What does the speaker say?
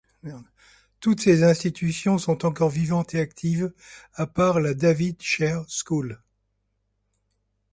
Toutes ces institutions sont encore vivantes et actives, à part la ‘David Hare School’.